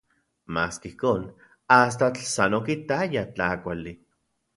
Maski ijkon, astatl san okitaya tlakuali.